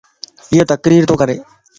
ايو تقرير تو ڪري